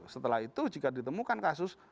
setelah itu jika ditemukan kasus